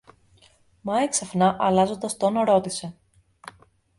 Μα έξαφνα αλλάζοντας τόνο ρώτησε